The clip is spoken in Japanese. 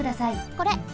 これ！